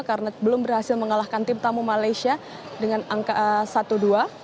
karena belum berhasil mengalahkan tim tamu malaysia dengan angka satu dua